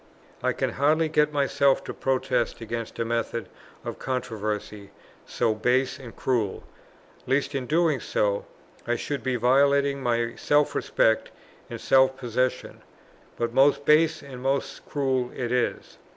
I can hardly get myself to protest against a method of controversy so base and cruel, lest in doing so, I should be violating my self respect and self possession; but most base and most cruel it is.